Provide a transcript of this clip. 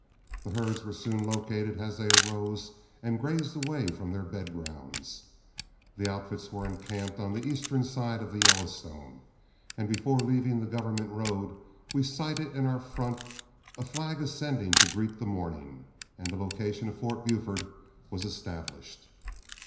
The herds were soon located as they arose and grazed away from their bed grounds. The outfits were encamped on the eastern side of the Yellowstone; and before leaving the government road, we sighted in our front a flag ascending to greet the morning, and the location of Fort Buford was established.